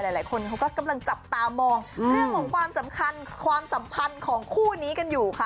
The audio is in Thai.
หลายคนเขาก็กำลังจับตามองเรื่องของความสำคัญความสัมพันธ์ของคู่นี้กันอยู่ค่ะ